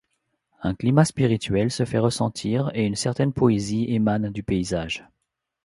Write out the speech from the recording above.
Un climat spirituel se fait ressentir et une certaine poésie émane du paysage.